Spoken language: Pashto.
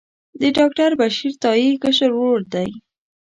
د ډاکټر بشیر تائي کشر ورور دی.